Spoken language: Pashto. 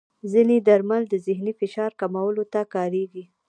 ځینې درمل د ذهني فشار کمولو ته کارېږي.